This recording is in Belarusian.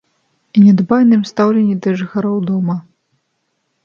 І нядбайным стаўленні да жыхароў дома.